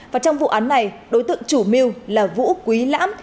và trong vụ án này đối tượng chủ mưu là vũ quý lãm